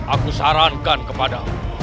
aku sarankan kepadamu